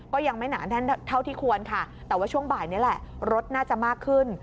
ก็ยังไม่หนาแน่นเท่าที่ควรค่ะแต่ว่าช่วงบ่ายนี้แหละรถน่าจะมากขึ้น